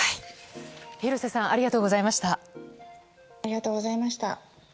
廣瀬さんありがとうございました。